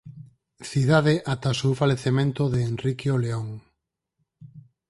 Cidade ata o seu falecemento de Henrique o León.